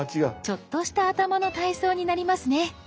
ちょっとした頭の体操になりますね。